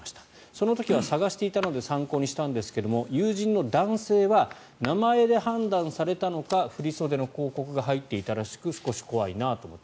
その時は探していたので参考にしたんですけど友人の男性は名前で判断されたのか振り袖の広告が入っていたらしく少し怖いなと思った。